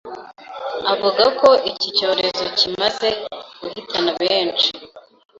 avuga ko iki cyorezo kimaze guhitana benshi